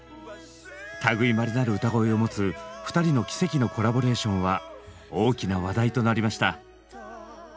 類いまれなる歌声を持つ２人の奇跡のコラボレーションは大きな話題となりました。